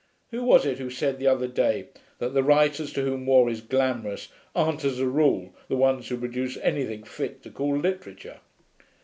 Who was it who said the other day that the writers to whom war is glamorous aren't as a rule the ones who produce anything fit to call literature.